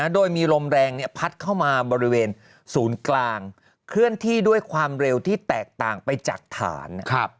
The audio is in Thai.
โดยมีลมแรงพัดเข้ามาบริเวณศูนย์กลางเคลื่อนที่ด้วยความเร็วที่แตกต่างไปจากฐาน